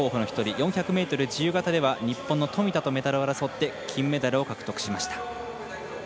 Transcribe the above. ４００ｍ自由形では日本の富田とメダルを争って金メダルを獲得しました。